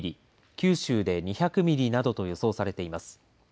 九州で２００ミリなどと予想されています。